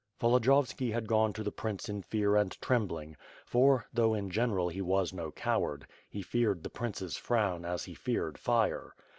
Volodi}'ov8ki had gone to the prince in fear and trembling, for, though in general he was no cow^ard, he feared the prince's frown as he feared fire.